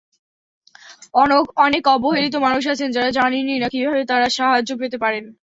অনেক অবহেলিত মানুষ আছেন যাঁরা জানেনই না, কীভাবে তাঁরা সাহায্য পেতে পারেন।